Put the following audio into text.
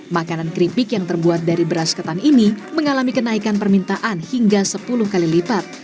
makanan keripik yang terbuat dari beras ketan ini mengalami kenaikan permintaan hingga sepuluh kali lipat